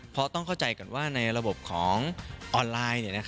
เพราะต้องเข้าใจก่อนว่าในระบบของออนไลน์